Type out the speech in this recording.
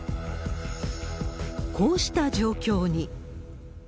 こうした状況に。